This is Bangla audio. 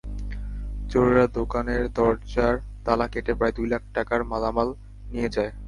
চোরেরা দোকানের দরজার তালা কেটে প্রায় দুই লাখ টাকার মালামাল নিয়ে যায়।